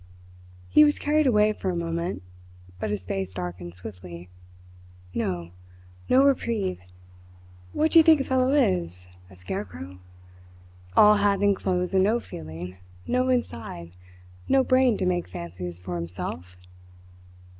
He was carried away for a moment, but his face darkened swiftly. "No! No reprieve. What do you think a fellow is a scarecrow? All hat and clothes and no feeling, no inside, no brain to make fancies for himself?